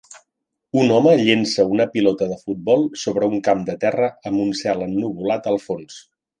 Un home llença una pilota de futbol sobre un camp de terra amb un cel ennuvolat al fons.